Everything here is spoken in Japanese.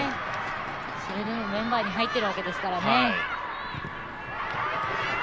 それでもメンバーに入っているわけですからね。